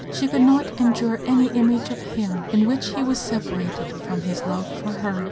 She could not endure any image of him in which he was separated from his love for her.